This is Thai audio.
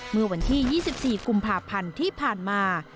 เมื่อวันที่๒๔กุมภาพันธ์ที่ผ่านมา